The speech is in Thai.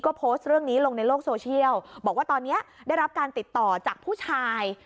ก็โพสต์เรื่องนี้ลงในโลกโซเชียลบอกว่าตอนนี้ได้รับการติดต่อจากผู้ชาย